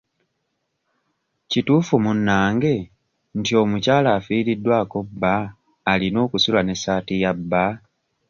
Kituufu munnange nti omukyala afiiriddwako bba alina okusula n'essaati ya bba?